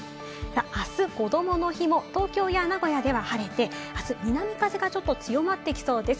明日、こどもの日も東京や名古屋では晴れて南風が強まってきそうです。